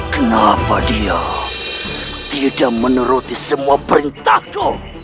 kenapa dia tidak meneruti semua perintah itu